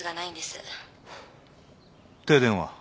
停電は？